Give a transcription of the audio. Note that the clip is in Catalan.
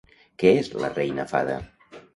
Què és la Reina Fada?